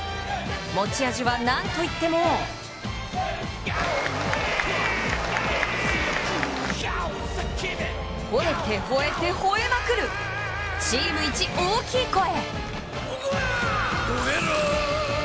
持ち味は何といっても、ほえて、ほえて、ほえまくる、チーム一大きい声。